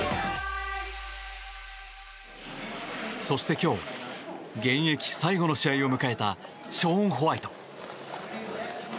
そして今日、現役最後の試合を迎えたショーン・ホワイト。